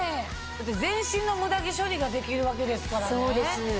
全身のムダ毛処理ができるわけですからね。